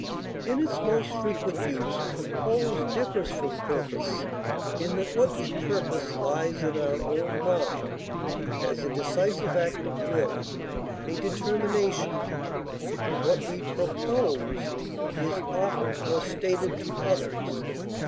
In its most frequent use, propose differs from purpose in that what we purpose lies in our own mind, as a decisive act of will, a determination; what we propose is offered or stated to others.